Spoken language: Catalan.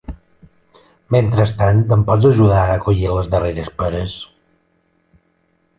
Mentrestant em pots ajudar a collir les darreres peres.